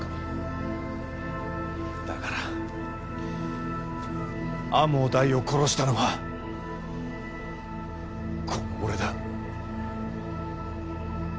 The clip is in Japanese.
だから天羽大を殺したのはこの俺だ。